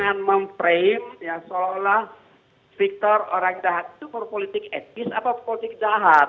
jangan frame ya seolah olah victor orang jahat itu politik etis atau politik jahat